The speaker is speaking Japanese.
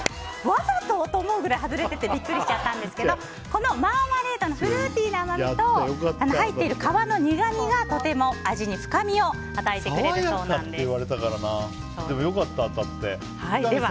わざと？と思うぐらい外れててびっくりしちゃったんですけどマーマレードのフルーティーな甘みと入っている皮の苦みがとても味に深みを与えてくれるそうなんです。